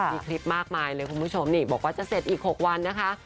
มีคลิปมากมายเลยคุณผู้ชมนี่บอกว่าจะเสร็จอีก๖วันนะคะ